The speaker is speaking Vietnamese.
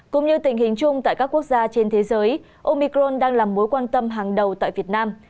cũng như tình hình chung tại các quốc gia trên thế giới omicron đang là mối quan tâm hàng đầu tại việt nam